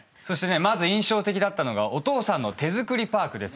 そしてまず印象的だったのがお父さんの手作りパークです。